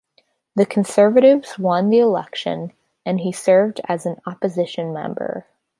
The Conservatives won the election, and he served as an opposition member.